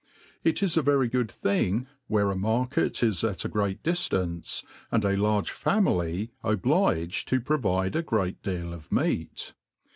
It is a very good thing where a market is at a great diftance, and a large family obliged to provide a great deal of meat.